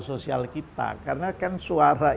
sosial kita karena kan suara